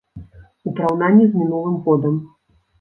У параўнанні з мінулым годам.